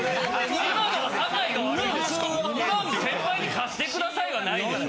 ２万先輩に貸してくださいはないでしょ。